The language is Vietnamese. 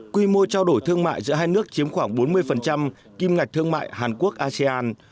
quy mô trao đổi thương mại giữa hai nước chiếm khoảng bốn mươi kim ngạch thương mại hàn quốc asean